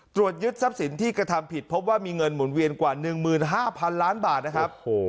ตรวจยึดทรัพย์สินที่กระทำผิดพบว่ามีเงินหมุนเวียนกว่า๑๕๐๐๐ล้านบาทนะครับ